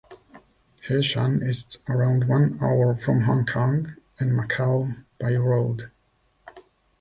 Heshan is around one hour from Hong Kong and Macau by road.